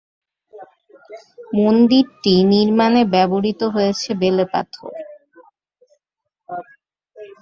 মন্দিরটি নির্মানে ব্যবহৃত হয়েছে বেলেপাথর।